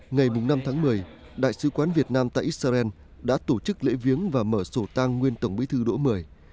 ngày năm tháng một mươi đại sứ quán việt nam tại israel đã tổ chức lễ viếng và mở sổ tăng nguyên tổng bí thư độ một mươi